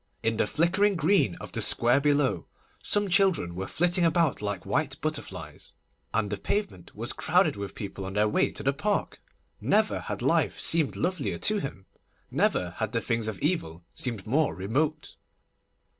In the flickering green of the square below some children were flitting about like white butterflies, and the pavement was crowded with people on their way to the Park. Never had life seemed lovelier to him, never had the things of evil seemed more remote.